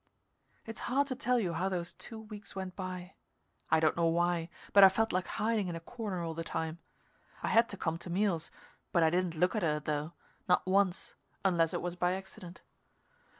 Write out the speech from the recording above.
It's hard to tell you how those two weeks went by. I don't know why, but I felt like hiding in a corner all the time. I had to come to meals, but I didn't look at her, though, not once, unless it was by accident.